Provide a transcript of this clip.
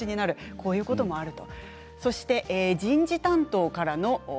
こういうこともあると。